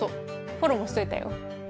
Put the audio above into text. フォローもしといたよ。